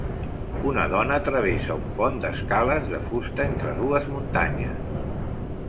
Una dona travessa un pont d'escales de fusta entre dues muntanyes.